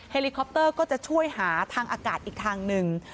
ลิคอปเตอร์ก็จะช่วยหาทางอากาศอีกทางหนึ่ง